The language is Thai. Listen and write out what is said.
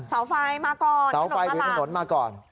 เสาไฟมาก่อนเสาไฟหรือถนนมาก่อน